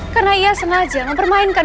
karena ia sengaja mempermainkan